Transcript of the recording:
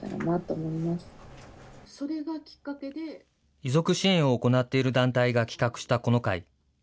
遺族支援を行っている団体が企画したこの会。